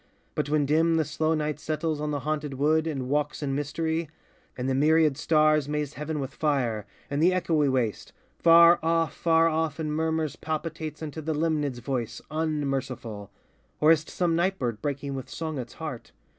but when dim The slow night settles on the haunted wood And walks in mystery; and the myriad stars Maze heaven with fire; and the echoy waste, Far off, far off, in murmurs palpitates Unto the Limnad's voice, unmerciful, Or is 't some night bird breaking with song its heart?